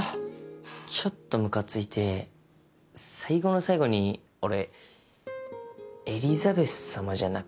ちょっとムカついて最後の最後に俺エリザベスさまじゃなくて。